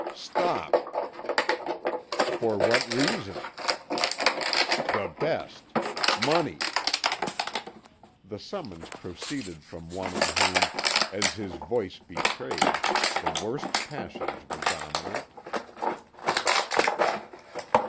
"Stop!" "For what reason?" "The best. Money!" The summons proceeded from one in whom, as his voice betrayed, the worst passions were dominant.